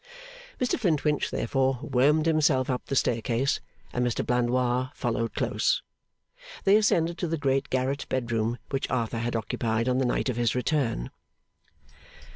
Mr Flintwinch, therefore, wormed himself up the staircase, and Mr Blandois followed close. They ascended to the great garret bed room which Arthur had occupied on the night of his return.